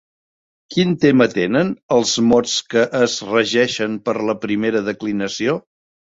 Quin tema tenen els mots que es regeixen per la primera declinació?